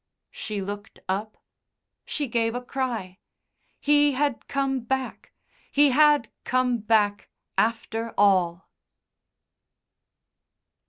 She looked up; she gave a cry! He had come back! He had come back after all!